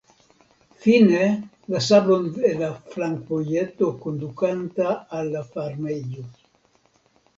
Fine la sablon de la flankvojeto kondukanta al la farmejo.